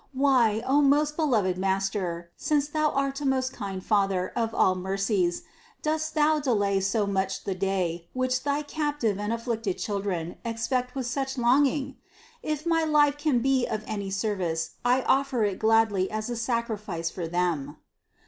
Why, O most beloved Master, since Thou art a most kind Father of all mercies, dost Thou delay so much the day, which thy captive and afflicted chil THE CONCEPTION 311 dren expect with such longing? If my life can be of any service, I offer it gladly as a sacrifice for them."